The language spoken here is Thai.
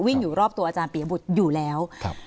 อยู่รอบตัวอาจารย์ปียบุตรอยู่แล้วครับ